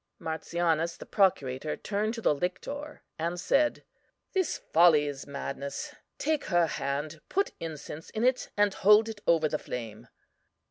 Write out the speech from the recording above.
"MARTIANUS, the procurator, turned to the lictor and said: This folly is madness; take her hand, put incense in it, and hold it over the flame.